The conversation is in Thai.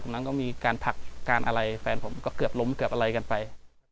กลับมาที่สุดท้ายและกลับมาที่สุดท้าย